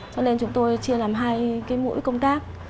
cho nên chúng tôi chia làm hai cái mũi công tác